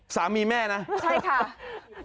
สามีแม่นะใช่ค่ะ